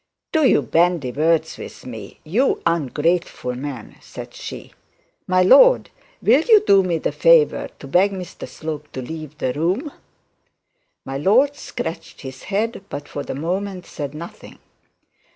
'Do you bandy words with me, you ungrateful man?' said she. 'My lord, will you do me the favour to beg Mr Slope to leave the room?' My lord scratched his head, but for the moment said nothing.